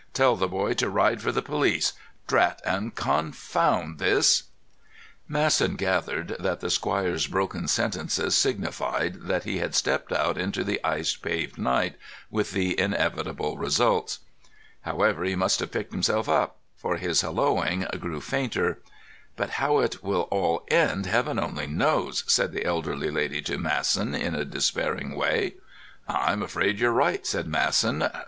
Tell the boy to ride for the police. Drat and confound this——" Masson gathered that the squire's broken sentences signified that he had stepped out into the ice paved night, with the inevitable results. However, he must have picked himself up, for his halloaing grew fainter. "But how it will all end, Heaven only knows," said the elderly lady to Masson, in a despairing way. "I'm afraid you're right," said Masson.